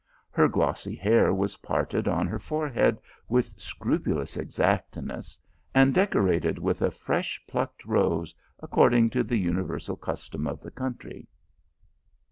Her glossy hair was parted on her forehead with scrupulous exactness, and decorated with a fresh plucked rose, according to the universal custom of the country.